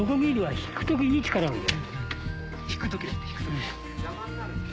・引く時だって引く時・